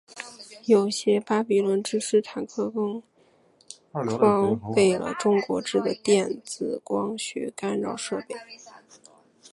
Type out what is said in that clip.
有些巴比伦之狮坦克更装备了中国制的电子光学干扰设备。